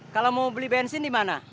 kalau mau beli bensin di mana